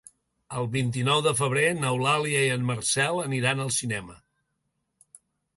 El vint-i-nou de febrer n'Eulàlia i en Marcel aniran al cinema.